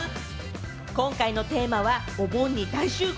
今回のテーマは、お盆に大集合！